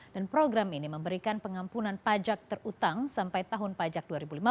dan program ini memberikan pengampunan pajak terutang sampai tahun pajak dua ribu lima belas